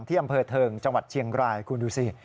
อำเภอเทิงจังหวัดเชียงรายคุณดูสิ